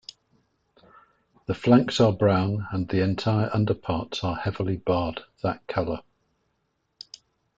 The flanks are brown, and the entire underparts are heavily barred that colour.